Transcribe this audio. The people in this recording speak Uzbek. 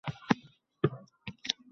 Dorilar yozib berishdi